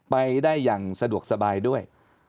ไปได้อย่างสะดวกสบายด้วย